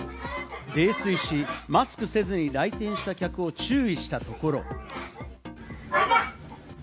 泥酔し、マスクをせずに来店した客を注意したところ。